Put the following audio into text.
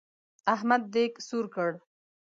احمد دېګ سور کړ.